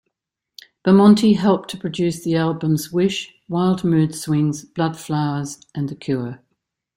Bamonte helped to produce the albums "Wish", "Wild Mood Swings", "Bloodflowers", and "The Cure".